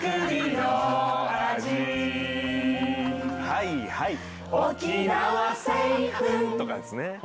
はいはい。